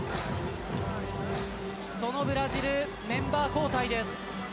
そのブラジルはメンバー交代です。